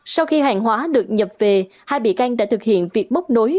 sau khi hàng hóa được nhập về hai bị can đã thực hiện việc mốc nối